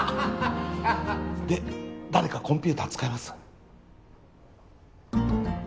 で誰かコンピューター使えます？